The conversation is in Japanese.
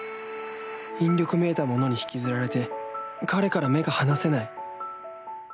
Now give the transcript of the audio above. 引力めいたものに引きずられて彼から目が離せない。